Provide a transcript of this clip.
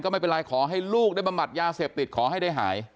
ไม่เป็นไรขอให้ลูกได้บำบัดยาเสพติดขอให้ได้หาย